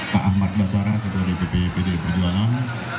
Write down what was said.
pak ahmad basara ketua dpp pdi perjuangan